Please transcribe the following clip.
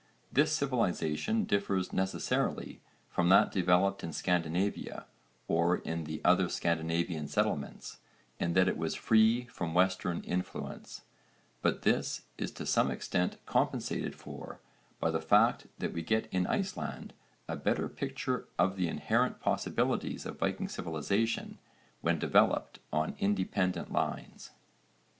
This civilisation differs necessarily from that developed in Scandinavia or in the other Scandinavian settlements, in that it was free from Western influence, but this is to some extent compensated for by the fact that we get in Iceland a better picture of the inherent possibilities of Viking civilisation when developed on independent lines.